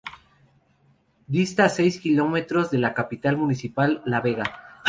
Dista seis kilómetros de la capital municipal, La Vega.